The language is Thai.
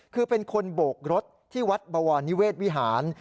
คือเป็นคนโบกรถที่วัดบวรนิเวศวิหาร